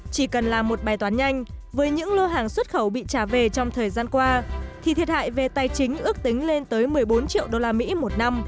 chỉ cần là một bài toán nhanh với những lô hàng xuất khẩu bị trả về trong thời gian qua thì thiệt hại về tài chính ước tính lên tới một mươi bốn triệu usd một năm